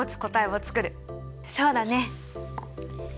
そうだね。